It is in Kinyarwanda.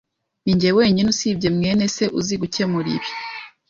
Ninjye wenyine usibye mwene se uzi gukemura ibi.